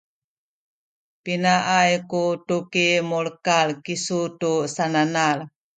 pinaay ku tuki mulekal kisu tu sananal?